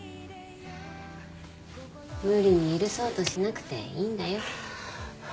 無理に許そうとしなくていいんだよ。